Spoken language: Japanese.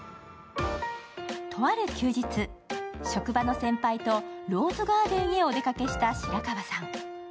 とある休日、職場の先輩とローズガーズンへお出かけした白川さん。